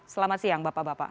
selamat siang bapak bapak